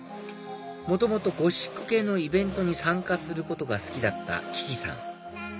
元々ゴシック系のイベントに参加することが好きだったききさん